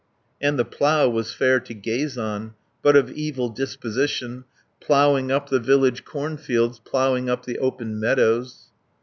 And the plough was fair to gaze on, But of evil disposition, Ploughing up the village corn fields, Ploughing up the open meadows.